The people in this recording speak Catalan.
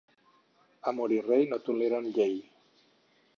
Amor i rei no toleren llei.